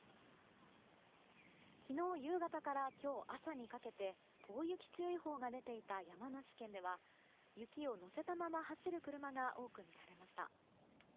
昨日夕方から今日朝にかけて大雪注意報が出ていた山梨県では雪を乗せたまま走る車が多く見られました。